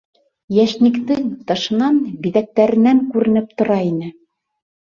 Йәшниктең тышынан, биҙәктәренән күренеп тора ине.